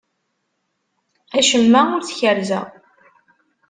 Acemma ur t-kerrzeɣ.